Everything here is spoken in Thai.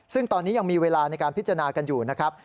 ซึ่งตอนนี้ยังมีเวลาในการพิจารณากันอยู่นะครับ